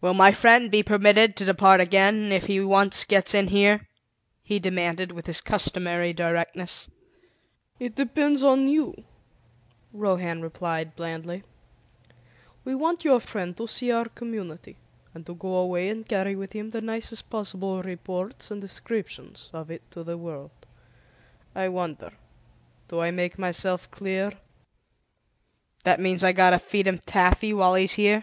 "Will my friend be permitted to depart again, if he once gets in here?" he demanded with his customary directness. "It depends on you," Rohan replied blandly. "We want your friend to see our Community, and to go away and carry with him the nicest possible reports and descriptions of it to the world. I wonder, do I make myself clear?" "That means I've got to feed him taffy while he's here?"